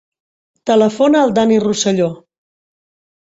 Telefona al Dani Rosello.